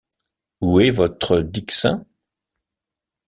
Où est vostre Dixain?